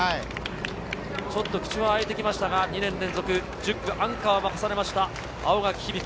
ちょっと口が開いてきましたが、２年連続１０区のアンカーを任されました青柿響。